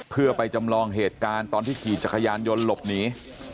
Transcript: เพื่อไปจำลองเหตุการณ์ตอนที่ขี่จักรยานยนต์หลบหนี